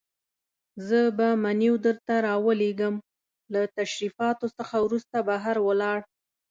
زه به منیو درته راولېږم، له تشریفاتو څخه وروسته بهر ولاړ.